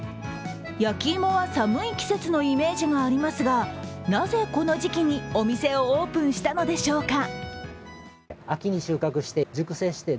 焼き芋は寒い季節のイメージがありますが、なぜ、この時期にお店をオープンしたのでしょうか。